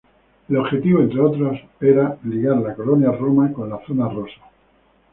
El objetivo, entre otros, era ligar la Colonia Roma con la Zona Rosa.